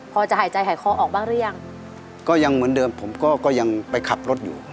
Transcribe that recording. พอจะหายใจหายคอออกบ้างหรือยังก็ยังเหมือนเดิมผมก็ก็ยังไปขับรถอยู่